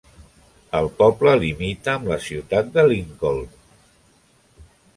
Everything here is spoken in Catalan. El poble limita amb la ciutat de Lincoln.